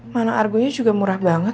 mana argonya juga murah banget